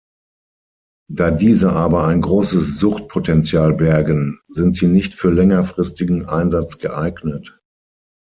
Da diese aber ein großes Suchtpotenzial bergen, sind sie nicht für längerfristigen Einsatz geeignet.